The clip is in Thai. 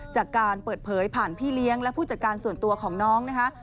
จากการเปิดเผยผ่านพี่เลี้ยงและผู้จัดการส่วนตัวของน้องนะคะ